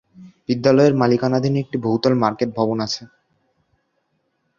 বিদ্যালয়ের মালিকানাধীন একটি বহুতল মার্কেট ভবন রয়েছে।